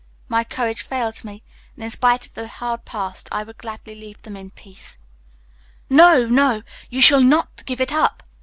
My courage fails me, and in spite of the hard past I would gladly leave them in peace." "No, no, you shall not give it up!"